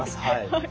はい。